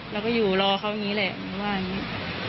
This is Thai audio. เราก็อยู่รอเขาอย่างนี้แหละหนูว่าอย่างนี้